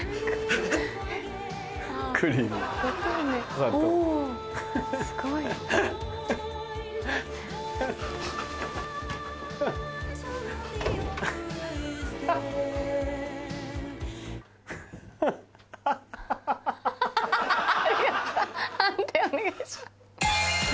判定お願いします。